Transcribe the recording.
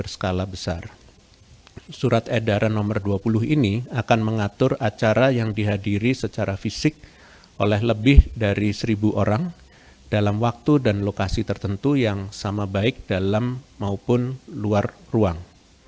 surat edaran nomor dua puluh ini akan mengatur acara yang dihadiri secara fisik oleh lebih dari seribu orang dalam waktu dan lokasi tertentu yang sama baik dalam maupun luar ruang